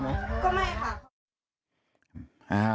ก็ไม่ค่ะ